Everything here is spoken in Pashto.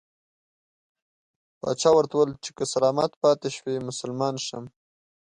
پاچا ورته وویل چې که سلامت پاته شوې مسلمان شم.